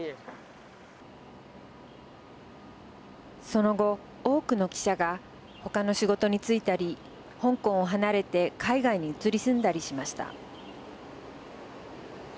その後、多くの記者がほかの仕事に就いたり香港を離れて海外に移り住んだりしました。